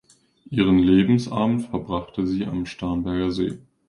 Ihren Lebensabend verbrachte sie am Starnberger See.